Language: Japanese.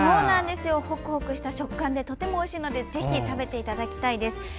ホクホクした食感でとてもおいしいのでぜひ食べていただきたいです。